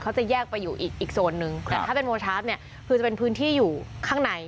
เขาจะแยกไปอยู่อีกอีกโซนนึงแต่ถ้าเป็นโมทาฟเนี่ยคือจะเป็นพื้นที่อยู่ข้างใน